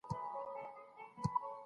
څېړونکي وويل چي پخوانۍ نظريې غلطي وې.